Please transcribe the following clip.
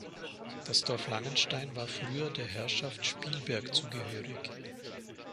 Das Dorf Langenstein war früher der Herrschaft Spielberg zugehörig.